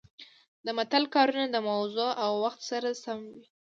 د متل کارونه د موضوع او وخت سره سمه وي